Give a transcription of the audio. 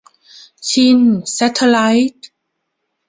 ชินแซทเทลไลท์